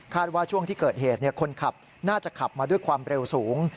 ว่าช่วงที่เกิดเหตุคนขับน่าจะขับมาด้วยความเร็วสูง